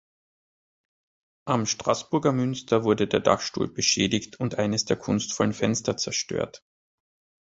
Am Straßburger Münster wurde der Dachstuhl beschädigt und eines der kunstvollen Fenster zerstört.